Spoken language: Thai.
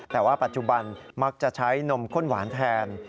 แต่ว่าปัจจุบันมักจะใช้นมข้นหวานแทน